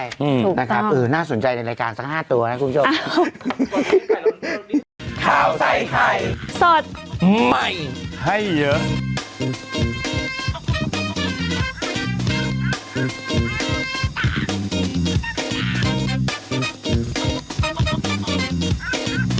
ถูกต้องนะครับน่าสนใจในรายการสัก๕ตัวนะคุณผู้ชม